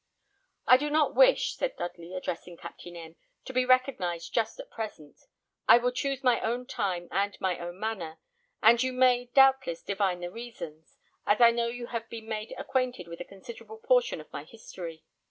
"I do not wish," said Dudley, addressing Captain M , "to be recognised just at present. I will choose my own time and my own manner; and you may, doubtless, divine the reasons, as I know you have been made acquainted with a considerable portion of my history."